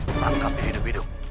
tertangkap di hidup hidup